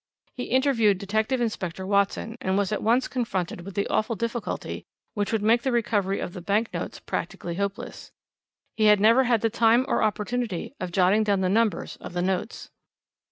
He interviewed Detective Inspector Watson, and was at once confronted with the awful difficulty which would make the recovery of the bank notes practically hopeless. He had never had the time or opportunity of jotting down the numbers of the notes.